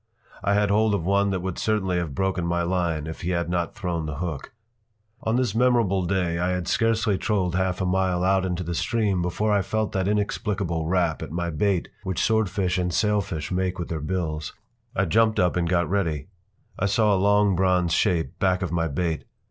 I had hold of one that would certainly have broken my line if he had not thrown the hook. On this memorable day I had scarcely trolled half a mile out into the Stream before I felt that inexplicable rap at my bait which swordfish and sailfish make with their bills. I jumped up and got ready. I saw a long bronze shape back of my bait.